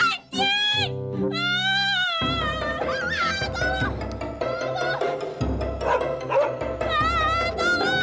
mendingan aku masuk aja